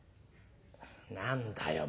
何だよ？